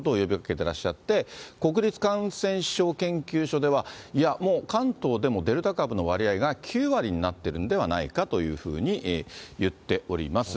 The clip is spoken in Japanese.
てらっしゃって、国立感染症研究所では、いや、もう関東でもデルタ株の割合が、９割になってるんではないかというふうに言っております。